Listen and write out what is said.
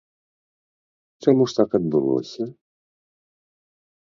Чаму ж так адбылося?